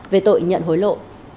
về tội nhận hối lộ